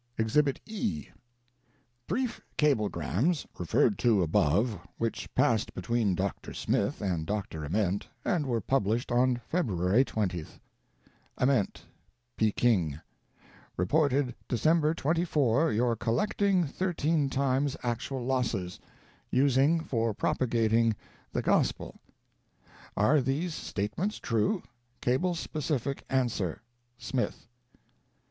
EXHIBIT E. Brief cablegrams, referred to above, which passed between Dr. Smith and Dr. Ament, and were published on February 20th: "Ament, Peking: Reported December 24 your collecting thirteen times actual losses; using for propagating the Gospel. Are these state ments true? Cable specific answer. SMITH."